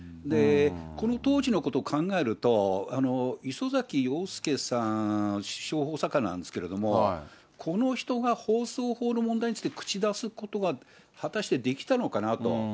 この当時のことを考えると、礒崎陽輔さん、首相補佐官なんですけれども、この人が放送法の問題について口出すことは、果たしてできたのかなと。